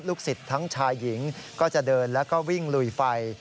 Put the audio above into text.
ศิษย์ทั้งชายหญิงก็จะเดินแล้วก็วิ่งลุยไฟ